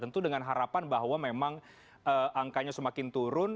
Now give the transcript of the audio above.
tentu dengan harapan bahwa memang angkanya semakin turun